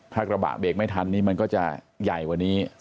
ถ้ากระบะเบรกไม่ทันนี่มันก็จะใหญ่กว่านี้